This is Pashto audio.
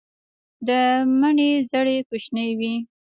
د مڼې زړې کوچنۍ وي.